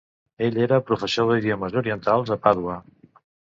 Ell era professor d"idiomes orientals a Padua.